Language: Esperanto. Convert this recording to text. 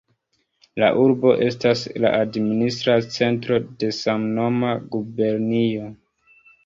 La urbo estas la administra centro de samnoma gubernio.